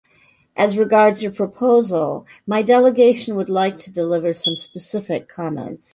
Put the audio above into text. As regards your proposal, my delegation would like to deliver some specific comments.